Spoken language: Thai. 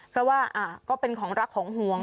เพราะว่าก็เป็นของรักของห่วง